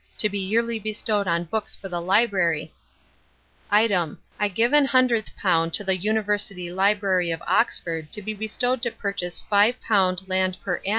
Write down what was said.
to be Yearly bestowed on Books for the Library Item I give an hundredth pound to the University Library of Oxford to be bestowed to purchase five pound Land per Ann.